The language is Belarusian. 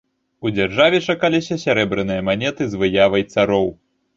У дзяржаве чаканіліся сярэбраныя манеты з выявай цароў.